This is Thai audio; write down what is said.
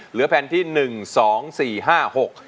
เหลือแผ่นที่หนึ่งสองสี่ห้าหก